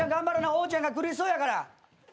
おーちゃんが苦しそうやから。